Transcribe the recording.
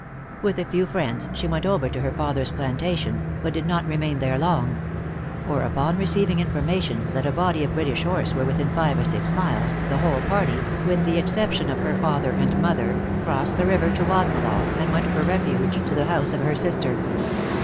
With a few friends, she went over to her father's plantation, but did not remain there long; for upon receiving information that a body of British horse were within five or six miles, the whole party, with the exception of her father and mother, crossed the river to Wadmalaw, and went for refuge to the house of her sister.